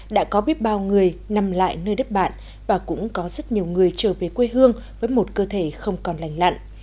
đã có biết bao người nằm lại nơi đất bạn và cũng có rất nhiều người trở về quê hương với một cơ thể không còn lành lặn